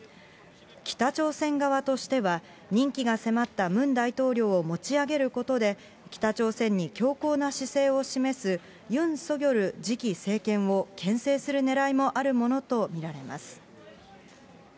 北朝鮮側としては、任期が迫ったムン大統領を持ち上げることで、北朝鮮に強硬な姿勢を示すユン・ソギョル次期政権をけん制するねらいもあるものと見られます。